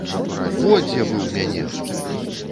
Во дзе вы ў мяне!